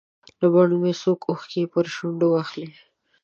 له بڼو به مې څوک اوښکې پر شونډه واخلي.